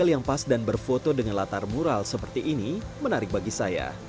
hal yang pas dan berfoto dengan latar mural seperti ini menarik bagi saya